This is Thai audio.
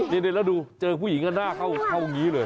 นี่แล้วดูเจอผู้หญิงก็หน้าเข้าอย่างนี้เลย